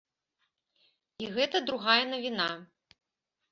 І гэта другая навіна.